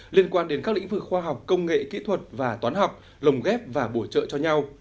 liên quan đến các lĩnh vực khoa học công nghệ kỹ thuật và toán học lồng ghép và bổ trợ cho nhau